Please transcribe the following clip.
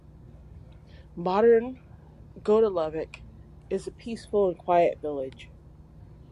Modern Gotalovec is a peaceful and quite village.